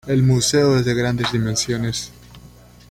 El museo es de grandes dimensiones.